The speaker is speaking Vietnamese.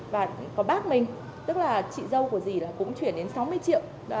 và có bác mình tức là chị dâu của dì là cũng chuyển đến sáu mươi triệu